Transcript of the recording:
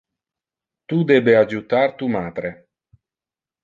Tu debe adjutar tu matre.